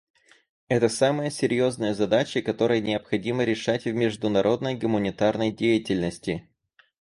Это самые серьезные задачи, которые необходимо решать в международной гуманитарной деятельности.